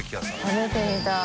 食べてみたい。